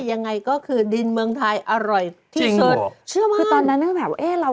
ยังไงก็คือดินเมืองไทยอร่อยจริงเหรอเชื่อมากคือตอนนั้นแบบว่า